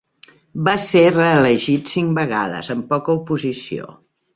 Va ser reelegit cinc vegades, amb poca oposició.